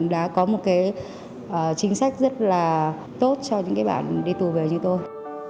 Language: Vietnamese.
đã có một cái chính sách rất là tốt cho những bạn đi tù về như tôi